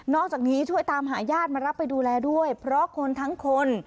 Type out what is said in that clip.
อกจากนี้ช่วยตามหาญาติมารับไปดูแลด้วยเพราะคนทั้งคน